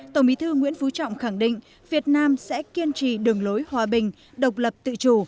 tổng bí thư nguyễn phú trọng khẳng định việt nam sẽ kiên trì đường lối hòa bình độc lập tự chủ